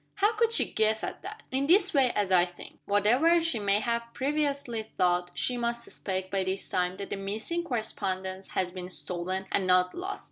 _" "How could she guess at that?" "In this way, as I think. Whatever she may have previously thought, she must suspect, by this time, that the missing correspondence has been stolen, and not lost.